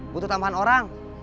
butuh tambahan orang